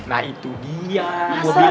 nah itu dia gue bilang